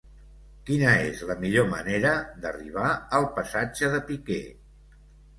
Quina és la millor manera d'arribar al passatge de Piquer?